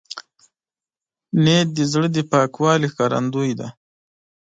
نیت د زړه د پاکوالي ښکارندوی دی.